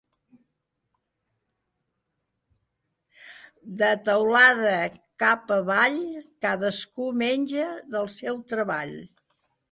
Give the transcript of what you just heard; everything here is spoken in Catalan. De teulada cap avall, cadascú menja del seu treball.